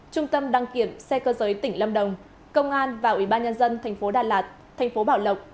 trung tâm đăng kiểm xe cơ giới tỉnh lâm đồng công an và ủy ban nhân dân tp đà lạt tp bảo lộc